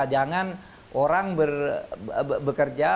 jangan orang bekerja